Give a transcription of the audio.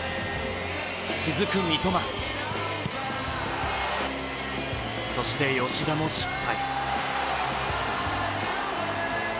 続く三笘、そして、吉田も失敗。